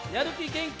元気！